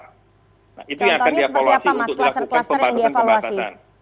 contohnya seperti apa mas kluster kluster yang dievaluasi